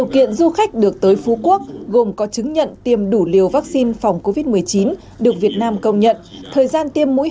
hoặc du khách phải có chứng nhận đã khỏi bệnh covid một mươi chín được việt nam công nhận thời gian từ lúc